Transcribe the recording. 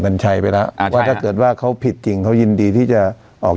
ัญชัยไปแล้วว่าถ้าเกิดว่าเขาผิดจริงเขายินดีที่จะออก